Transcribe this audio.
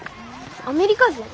アメリカ人？